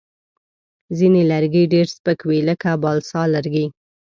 ځینې لرګي ډېر سپک وي، لکه بالسا لرګی.